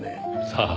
さあ